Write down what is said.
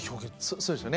そうですよね。